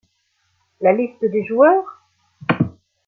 La liste des joueurs.